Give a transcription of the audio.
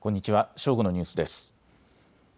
正午のニュースです。